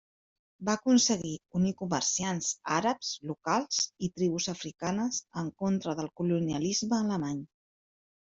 Va aconseguir unir comerciants àrabs locals i tribus africanes en contra del colonialisme alemany.